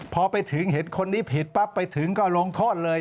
พอไปถึงเห็นคนนี้ผิดปั๊บไปถึงก็ลงโทษเลย